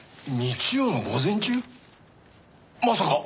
まさか。